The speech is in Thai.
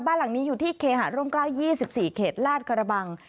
บ้านหลังนี้อยู่ที่เคหาร่มกล้าว๒๔เขตลาดกระบัง